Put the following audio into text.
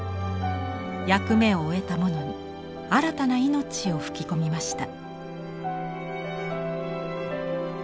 役目を終えたものに新たな命を吹き込みました。